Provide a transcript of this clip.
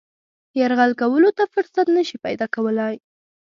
یرغل کولو ته فرصت نه شي پیدا کولای.